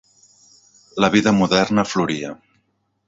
La vida moderna floria.